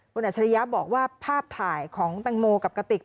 บนอาชริยะบอกว่าภาพถ่ายของตังโมกับกระติก